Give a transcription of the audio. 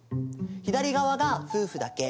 左側が夫婦だけ。